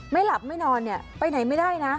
หลับไม่นอนเนี่ยไปไหนไม่ได้นะ